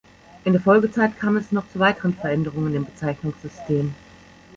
In der Folgezeit kam es noch zu weiteren Veränderungen im Bezeichnungssystem.